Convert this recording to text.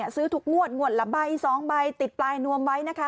ซื้อทุกงวดงวดละใบ๒ใบติดปลายนวมไว้นะคะ